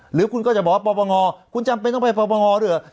หรือคุณก็จะบอกว่าปปงคุณจำเป็นต้องไปปปงด้วยเหรอ